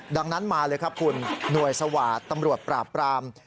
ดังนั้นมาเลยครับคุณหน่วยสวาสตร์ตำรวจปราบปราม